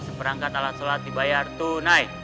seperangkat alat sholat dibayar tunai